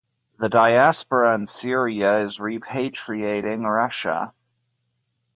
The diaspora in Syria is repatriating Russia.